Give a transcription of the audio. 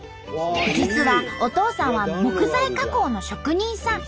実はお父さんは木材加工の職人さん。